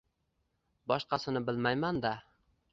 Boshqasini bilmayman-da...